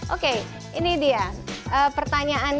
oke ini dia pertanyaannya